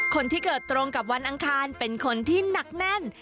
คนที่เกิดตรงกับวันอังคารเป็นคนที่หนักแน่น